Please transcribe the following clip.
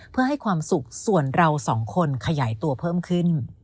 เพื่อให้ความสุขส่วนเราสองคนขยายตัวเพิ่มขึ้น